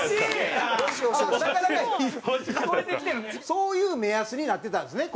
そういう目安になってたんですね